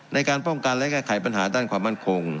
ในการป้องกันและแก้ไขปัญหาด้านความมั่นคง